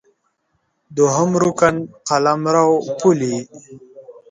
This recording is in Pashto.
دوهم رکن قلمرو ، پولې